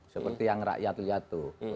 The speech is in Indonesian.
seperti yang rakyat lihat tuh